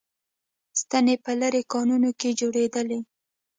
ستنې په لېرې کانونو کې جوړېدلې